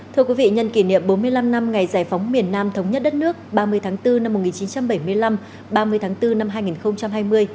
thưa quý vị nhân kỷ niệm bốn mươi năm năm ngày giải phóng miền nam thống nhất đất nước ba mươi tháng bốn năm một nghìn chín trăm bảy mươi năm ba mươi tháng bốn năm hai nghìn hai mươi